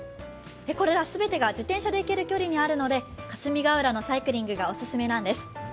これら全てが自転車に行ける距離にあるので霞ヶ浦のサイクリングがお勧めなんです。